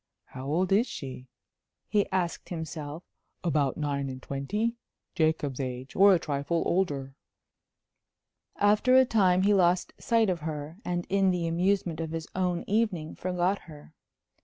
"How old is she?" he asked himself. "About nine and twenty?... Jacob's age or a trifle older." After a time he lost sight of her, and in the amusement of his own evening forgot her.